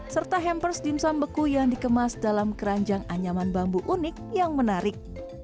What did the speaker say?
serta hampers dimsum beku yang dikemas dalam keranjang anyaman bambu unik yang menarik